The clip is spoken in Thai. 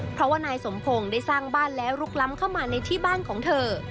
เพราะว่านายสมพงศ์ได้สร้างบ้านแล้วลุกล้ำเข้ามาในที่บ้านของเธอ